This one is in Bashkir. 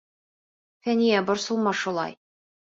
Фәниә, борсолма шулай!